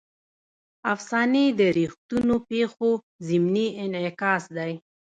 افسانې د ریښتونو پېښو ضمني انعکاس دی.